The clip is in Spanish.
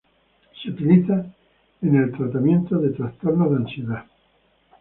Se utiliza en el tratamiento de trastornos de ansiedad.